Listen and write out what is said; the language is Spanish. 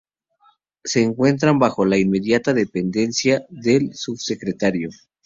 Se encuentran bajo la inmediata dependencia del subsecretario.